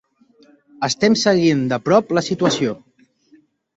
Estem seguint de prop la situació